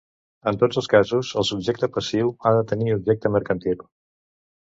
En tots els casos el subjecte passiu ha de tenir objecte mercantil.